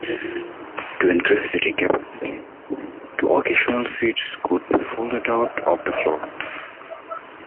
To increase seating capacity two occasional seats could be folded out of the floor.